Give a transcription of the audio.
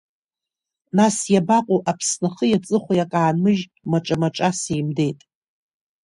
Нас иабаҟоу, Аԥсны ахи-аҵыхәеи ак аанмыжь, маҿа-маҿа сеимдеит.